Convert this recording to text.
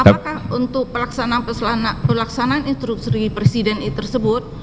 apakah untuk pelaksanaan instruksi presiden tersebut